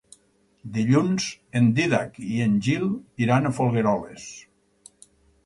Dilluns en Dídac i en Gil iran a Folgueroles.